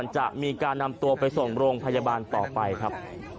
จะมีการนำตัวไปส่งโรงพยาบาลต่อไปครับ